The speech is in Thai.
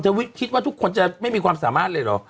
คิดว่าทุกคนจะไม่มีความสามารถเลยเหรอ